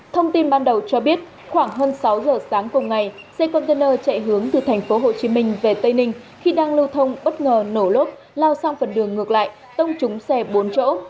thông tin ban đầu cho biết khoảng hơn sáu giờ sáng cùng ngày xe container chạy hướng từ thành phố hồ chí minh về tây ninh khi đang lưu thông bất ngờ nổ lốp lao sang phần đường ngược lại tông trúng xe bốn chỗ